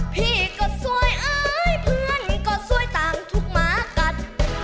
พี่ก็สวยเอ้ยเพื่อนก็สวยต่างถูกหมากัด